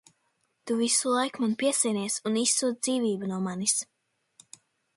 Tu visu laiku man piesienies un izsūc dzīvību no manis!